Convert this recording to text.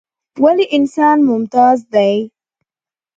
ولې انسان ممتاز دى؟